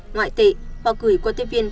ngoại tệ và gửi qua tiếp viên